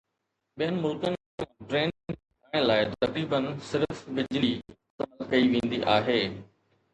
ٻين ملڪن وانگر، ٽرين کي هلائڻ لاء تقريبا صرف بجلي استعمال ڪئي ويندي آهي